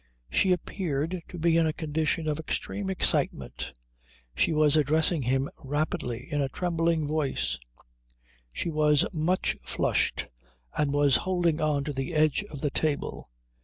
She appeared to be in a condition of extreme excitement; she was addressing him rapidly in a trembling voice; she was much flushed, and was holding on to the edge of the table.